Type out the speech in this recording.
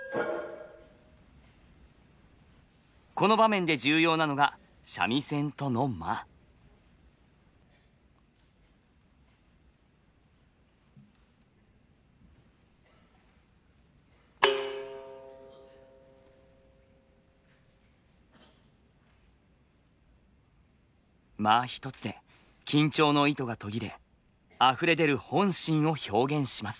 この場面で重要なのが間一つで緊張の糸が途切れあふれ出る本心を表現します。